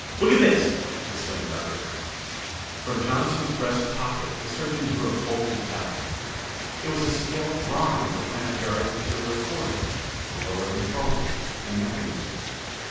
"Look at this!" exclaimed Dr. Frank. From Johnson's breast pocket the surgeon drew a folded document. It was a scale drawing of the Planetara interior corridors, the lower control rooms and mechanisms.